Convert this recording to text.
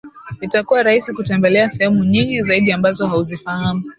Itakuwa rahisi kutembelea sehemu nyingi zaidi ambazo hauzifahamu